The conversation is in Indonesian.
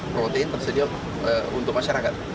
protein tersedia untuk masyarakat